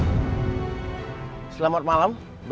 mungkin ricky mengambil uang disana